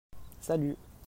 Salut !